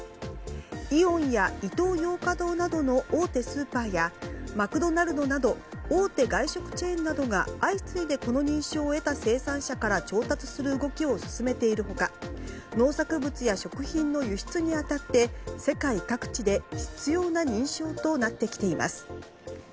イオンやイトーヨーカドーなどの大手スーパーやマクドナルドなど大手外食チェーンなどが相次いでこの認証を得た生産者から調達する動きを進めている他農作物や食品の輸出に当たって世界各地で必要な認証となってきています。